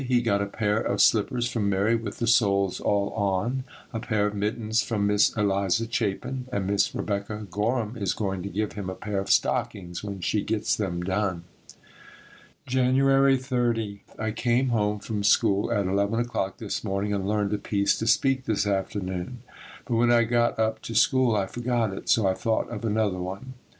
He got a pair of slippers from Mary with the soles all on; a pair of mittens from Miss Eliza Chapin, and Miss Rebecca Gorham is going to give him a pair of stockings when she gets them done. January 30. I came home from school at eleven o'clock this morning and learned a piece to speak this afternoon, but when I got up to school I forgot it, so I thought of another one.